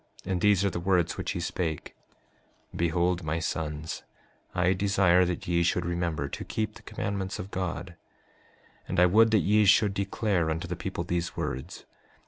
And these are the words which he spake: 5:6 Behold, my sons, I desire that ye should remember to keep the commandments of God; and I would that ye should declare unto the people these words.